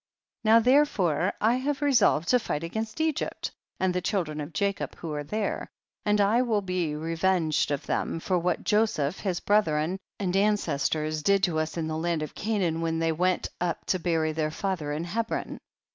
12. Now therefore I iiave resolved to fight against Egypt and the child ren of Jacob who are there, and I will be revenged of them for what Joseph, his brethren and ancestors did to us in the land of Canaan when they went up to bury their father in Hebron.